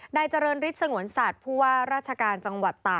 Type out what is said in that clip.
ในเจริญฤทธิ์สงสัตว์